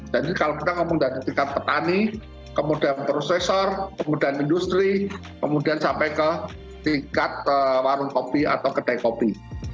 jadi kalau kita ngomong dari tingkat petani kemudian prosesor kemudian industri kemudian sampai ke tingkat warung kopi atau kedai kopi